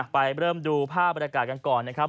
ไปเริ่มดูภาพบรรยากาศกันก่อนนะครับ